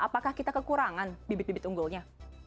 apakah kita kekurangan bibit bibit unggulnya